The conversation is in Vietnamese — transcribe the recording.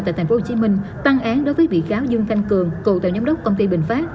tại tp hcm tăng án đối với bị cáo dương thanh cường cựu tàu nhóm đốc công ty bình pháp